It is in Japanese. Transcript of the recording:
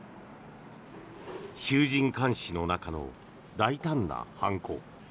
衆人環視の中の大胆な犯行。